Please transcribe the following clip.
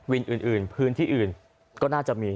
อื่นพื้นที่อื่นก็น่าจะมี